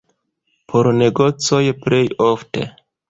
Por negocoj plej ofte.